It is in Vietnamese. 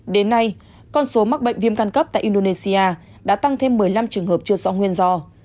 đến nay con số mắc bệnh viêm căn cấp tại indonesia đã tăng thêm một mươi năm trường hợp chưa rõ nguyên do